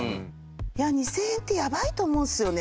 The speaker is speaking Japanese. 「２，０００円ってやばいと思うんですよね」